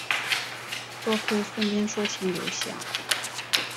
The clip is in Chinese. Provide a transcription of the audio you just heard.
多亏孙膑说情留下。